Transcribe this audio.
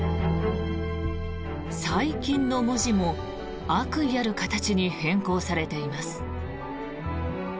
最近の文字も悪意ある形に変更されています。